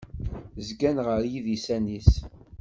Zzgan ɣer yidisan-is.